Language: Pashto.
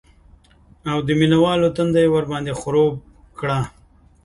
او د مینه والو تنده یې ورباندې خړوب کړه